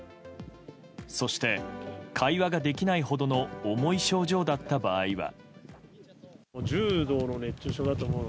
そして、会話ができないほどの重い症状だった場合は。